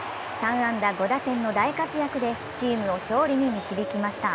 ３安打５打点の大活躍でチームを勝利に導きました。